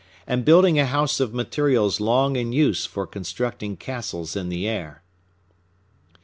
and building a house of materials long in use for constructing castles in the air."